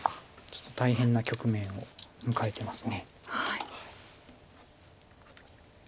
ちょっと大変な局面を迎えてます。